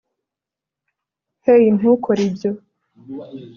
hey, ntukore ibyo